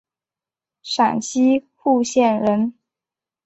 陕西户县人。